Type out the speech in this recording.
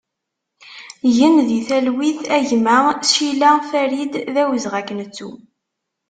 Gen di talwit a gma Cilla Farid, d awezɣi ad k-nettu!